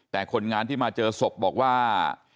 แต่คนงานที่มาเจอศพบอกว่า